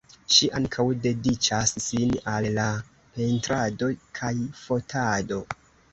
Ŝi ankaŭ dediĉas sin al la pentrado kaj fotado.